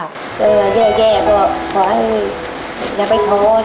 แย่เปล่าอย่าไปโทษ